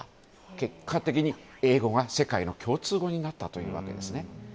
結果的に英語が世界の共通語になったというわけですね。